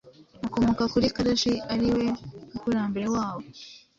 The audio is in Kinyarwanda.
bakomoka kuri Karashi ari we mukurambere wabo